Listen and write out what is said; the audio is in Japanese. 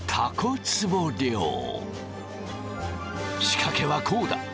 仕掛けはこうだ。